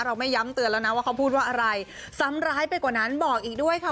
ไม่ย้ำเตือนแล้วนะว่าเขาพูดว่าอะไรซ้ำร้ายไปกว่านั้นบอกอีกด้วยค่ะ